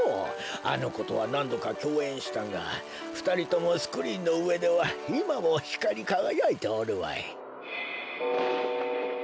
あのことはなんどかきょうえんしたがふたりともスクリーンのうえではいまもひかりかがやいておるわい。